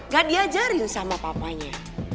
gak diajarin sama papanya